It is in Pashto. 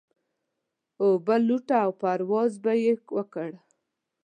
وابه لوته او پرواز به يې وکړ.